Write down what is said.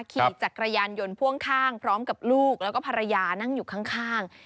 ขี่จักรยานยนต์พ่วงข้างพร้อมกับลูกแล้วก็ภรรยานั่งอยู่ข้าง